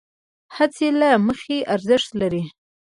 هڅې له مخې ارزښت لرې،